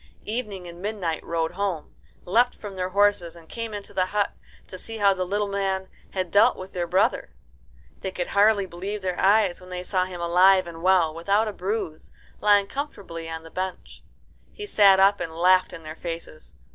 Evening and Midnight rode home, leapt from their horses, and came into the hut to see how the little man had dealt with their brother. They could hardly believe their eyes when they saw him alive and well, without a bruise, lying comfortably on the bench. He sat up and laughed in their faces.